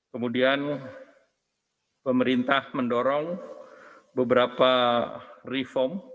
kemudian pemerintah mendorong beberapa reform